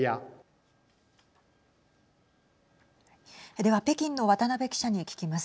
では北京の渡辺記者に聞きます。